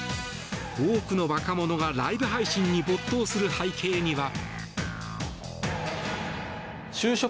多くの若者がライブ配信に没頭する背景には。